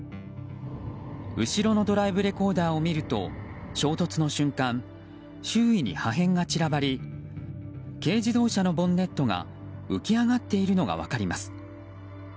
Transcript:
後ろのドライブレコーダーを見ると、衝突の瞬間周囲に破片が散らばり軽自動車のボンネットが浮き上がっているのが分かります。